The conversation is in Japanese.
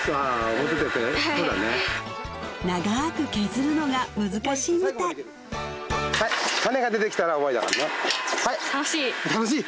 そうだね長ーく削るのが難しいみたい楽しい？